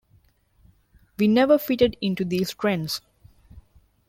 We never fitted into these trends.